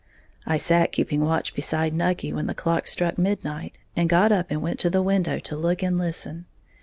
I sat keeping watch beside Nucky when the clock struck midnight, and got up and went to the window to look and listen.